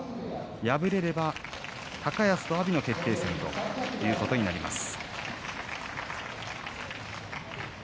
敗れれば高安と阿炎の決定戦ということになります。